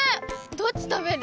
どっち食べる？